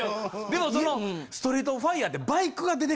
でもその『ストリート・オブ・ファイヤー』って。